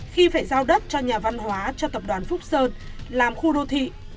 khi phải giao đất cho nhà văn hóa cho tập đoàn phúc sơn làm khu đô thị